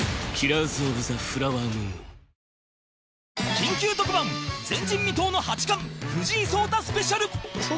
緊急特番前人未到の八冠藤井聡太スペシャル